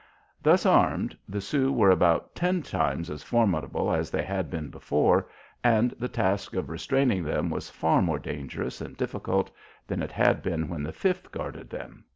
Thus armed, the Sioux were about ten times as formidable as they had been before, and the task of restraining them was far more dangerous and difficult than it had been when the Fifth guarded them.